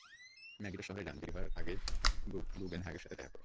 Megiddo শহরে যান, দেরি হয়ে যাওয়ার আগেই বুগেনহাগেনের সাথে দেখা করুন!